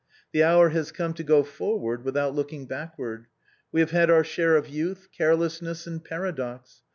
The hour has come to go forward without looking backward; we have had our share of youth, carelessness, and paradox.